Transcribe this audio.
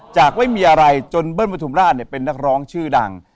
จากไม่มีอะไรจนเบิ้ลประทุมราชเป็นนักร้องชื่อดัง